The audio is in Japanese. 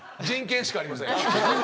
人権しかありません。